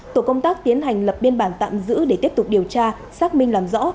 tổ công tác tiến hành lập biên bản tạm giữ để tiếp tục điều tra xác minh làm rõ